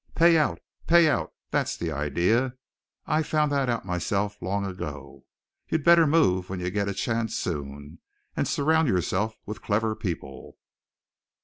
Pay out! Pay out that's the idea. I found that out for myself long ago. You'd better move when you get a chance soon and surround yourself with clever people."